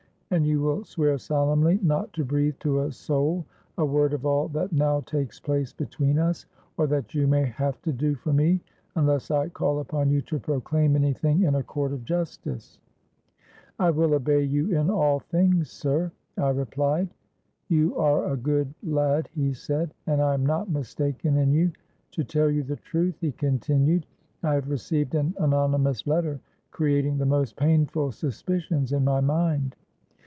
—'And you will swear solemnly not to breathe to a soul a word of all that now takes place between us, or that you may have to do for me, unless I call upon you to proclaim any thing in a court of justice.'—'I will obey you in all things, sir,' I replied.—'You are a good lad,' he said; 'and I am not mistaken in you. To tell you the truth,' he continued, 'I have received an anonymous letter, creating the most painful suspicions in my mind.